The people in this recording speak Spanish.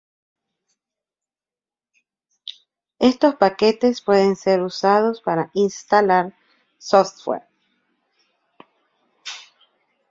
Estos paquetes pueden ser usados para instalar software.